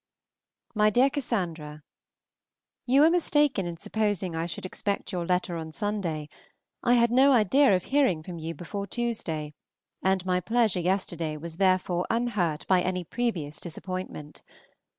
MY DEAR CASSANDRA, You were mistaken in supposing I should expect your letter on Sunday; I had no idea of hearing from you before Tuesday, and my pleasure yesterday was therefore unhurt by any previous disappointment.